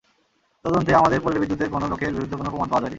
তদন্তে আমাদের পল্লী বিদ্যুতের কোনো লোকের বিরুদ্ধে কোনো প্রমাণ পাওয়া যায়নি।